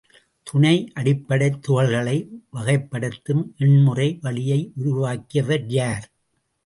துணை அடிப்படைத் துகள்களை வகைப்படுத்தும் எண்முறை வழியை உருவாக்கியவர் யார்?